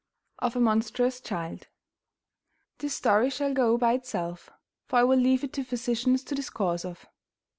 OF A MONSTROUS CHILD This story shall go by itself; for I will leave it to physicians to discourse of.